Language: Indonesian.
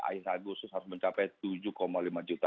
akhir agustus harus mencapai tujuh lima juta